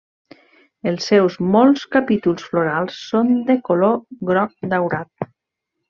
Els seus molts capítols florals són de color groc daurat.